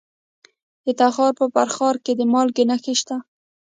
د تخار په فرخار کې د مالګې نښې شته.